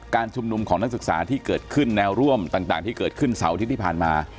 การชุมนุมของนักศึกษาที่เกิดขึ้นแนวร่วมต่างสาวที่ผ่านมา